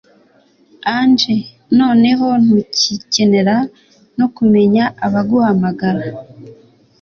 Angel noneho ntugikenera no kumenya abaguhamagara